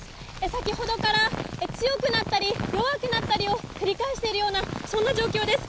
先ほどから強くなったり弱くなったりを繰り返しているようなそんな状況です。